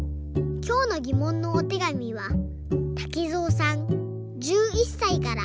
きょうのぎもんのおてがみはたけぞうさん１１さいから。